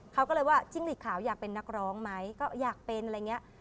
เขาก็เลยว่าจิ้งหลีกขาวอยากเป็นนักร้องไหมก็อยากเป็นอะไรอย่างนี้